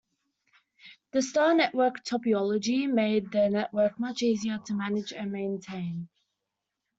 The star network topology made the network much easier to manage and maintain.